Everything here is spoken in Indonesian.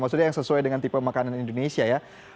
maksudnya yang sesuai dengan tipe makanan indonesia ya